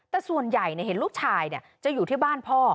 แต่ส่วนใหญ่เห็นลูกชายจะอยู่ที่บ้านพ่อ